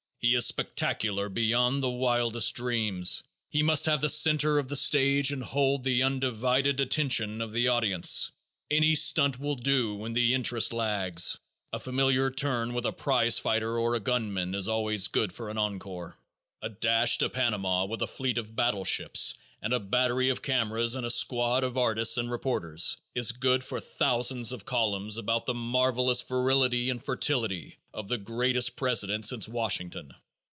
He is spectacular beyond the wildest dreams. He must have the center of the stage and hold the undivided attention of the audience. Any stunt will do when the interest lags. A familiar turn with a prize fighter or a "gun man" is always good for an encore. Nothing is overlooked. A dash to Panama with a fleet of battle ships and a battery of cameras and a squad of artists and reporters is good for thousands of columns about the marvelous virility and fertility of the greatest president since Washington.